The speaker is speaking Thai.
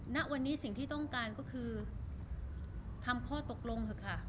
ณวันนี้สิ่งที่ต้องการก็คือทำข้อตกลงเถอะค่ะ